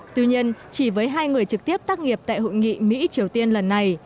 tuy nhiên chỉ với hai người trực tiếp tác nghiệp tại hội nghị mỹ triều tiên lần này